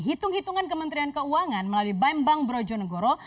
hitung hitungan kementerian keuangan melalui bambang brojonegoro